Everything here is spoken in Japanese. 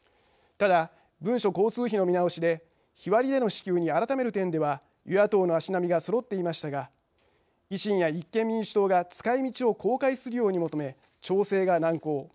ただ、文書交通費の見直しで日割りでの支給に改める点では与野党の足並みがそろっていましたが維新や立憲民主党が使いみちを公開するように求め調整が難航。